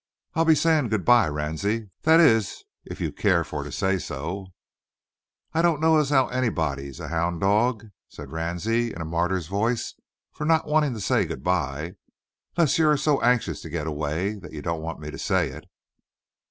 I'll be a sayin' good bye, Ranse—that is, if you keer fur to say so." "I don't know as anybody's a hound dog," said Ransie, in a martyr's voice, "fur to not want to say good bye—'less you air so anxious to git away that you don't want me to say it."